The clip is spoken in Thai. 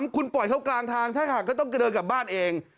คุณปล่อยเขากลางทางถ้าหากก็ต้องกระเดินกลับบ้านเอง